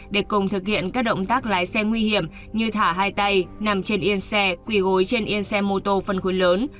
để cùng thực hiện các động tác lái xe nguy hiểm như thả hai tay nằm trên yên xe quỳ gối trên yên xe mô tô phân khối lớn